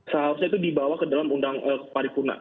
seharusnya itu dibawa ke dalam undang paripurna